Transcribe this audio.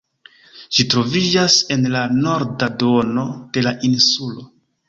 Ĝi troviĝas en la norda duono de la insulo.